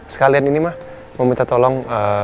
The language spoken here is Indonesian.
sekalian ini mah mau minta tolong